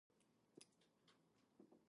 The provincial capital is Burdur city.